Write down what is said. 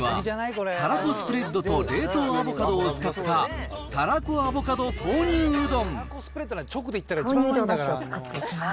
たらこスプレッドとアボカドでたらこアボカド豆乳うどんです。